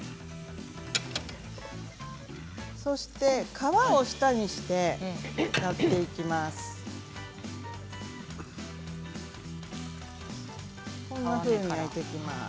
そして皮を下にして焼いていきます。